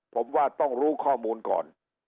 ผมว่าต้องรู้ข้อมูลก่อน